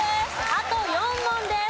あと４問です。